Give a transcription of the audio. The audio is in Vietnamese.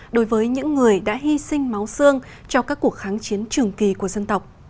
đối với những người đã hy sinh máu xương cho các cuộc kháng chiến trường kỳ của dân tộc